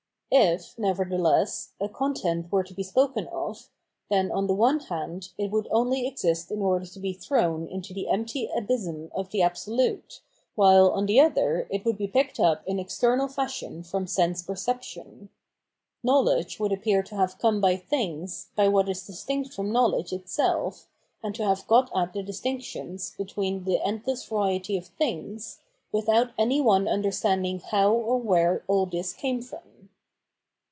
If, nevertheless, a content were to be spoken of, then on the one hand, it would only exist in order to be thrown into the empty abysm of the Absolute, while on the other it would be picked up in external fadiion from sense perception. Knowledge would appear to have come by things, by what is distinct from knowledge itself, and to have got at the distinctions between the endless variety of things, without any one understanding how or where all this came from.